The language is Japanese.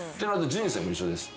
人生も一緒です。